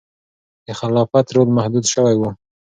د خلافت رول محدود شوی و.